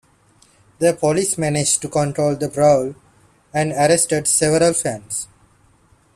The police managed to control the brawl and arrested several fans.